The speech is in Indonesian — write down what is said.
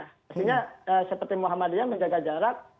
mestinya seperti muhammad ria menjaga jarak